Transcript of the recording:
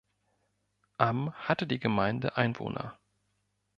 Am hatte die Gemeinde Einwohner.